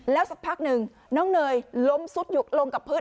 แล้วสักพักหนึ่งน้องเนยล้มซุดอยู่ลงกับพื้น